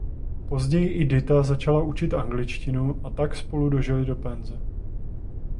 Později i Dita začala učit angličtinu a tak spolu dožili do penze.